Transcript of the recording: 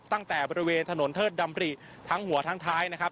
ตั้งแต่บริเวณถนนเทิดดำริทั้งหัวทั้งท้ายนะครับ